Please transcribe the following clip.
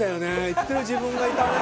いってる自分がいたね。